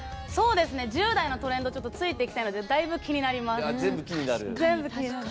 １０代のトレンドについていきたいのでだいぶ気になります。